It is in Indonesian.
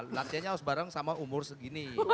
latihannya harus bareng sama umur segini